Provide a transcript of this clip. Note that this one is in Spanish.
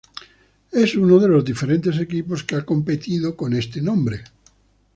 Es uno de los diferentes equipos que ha competido con este nombre.